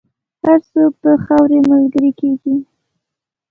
هر څوک د خاورې ملګری کېږي.